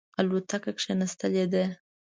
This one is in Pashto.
الوتکه کښېنستلې ده.